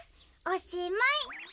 おしまい。